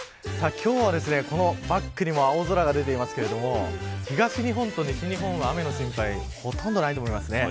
今日はこのバックにも青空が出ていますけれども東日本と西日本は、雨の心配がほとんどないと思います。